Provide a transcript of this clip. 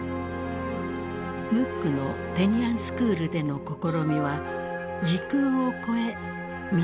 ムックのテニアンスクールでの試みは時空を超え実を結んだ。